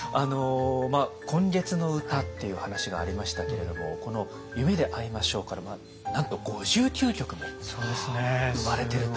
「今月の歌」っていう話がありましたけれどもこの「夢であいましょう」からなんと５９曲も生まれてると。